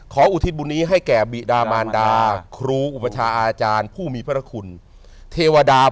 ขออุทิศบุญนี้ซะเลี้ยงบริหวาน